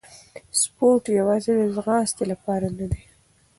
سپورت یوازې د ځغاستې لپاره نه دی.